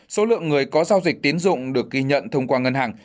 số lượng người có giao dịch tiến dụng được ghi nhận thông qua ngân hàng